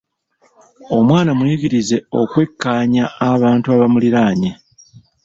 Omwana muyigirize okwekkaanya abantu abamuliraanye.